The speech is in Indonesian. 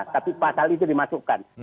tapi pasal itu dimasukkan